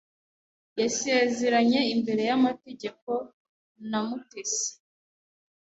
yasezeranye imbere y’amategeko na Umutesi